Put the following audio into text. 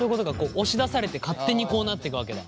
押し出されて勝手にこうなっていくわけだ。